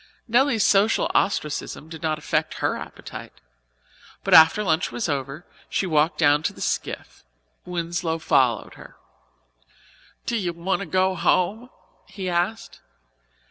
Nelly's social ostracism did not affect her appetite. But after lunch was over, she walked down to the skiff. Winslow followed her. "Do you want to go home?" he asked.